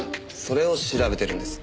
それを調べてるんです。